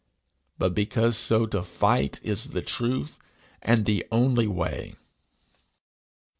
but because so to fight is the truth, and the only way.